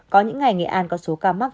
có những ngày nghệ an có số ca mắc